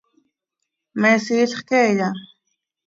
¿Me siilx queeya?